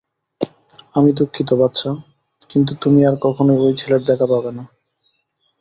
আমি দুঃখিত, বাচ্চা, কিন্তু তুমি আর কখনই ঐ ছেলের দেখা পাবেনা।